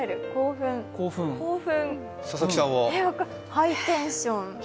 ハイテンション？